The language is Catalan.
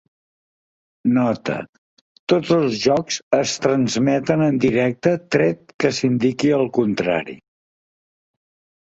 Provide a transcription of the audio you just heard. Nota: tots els jocs es transmeten en directe tret que s'indiqui el contrari.